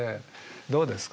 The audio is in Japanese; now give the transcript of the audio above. どうですか？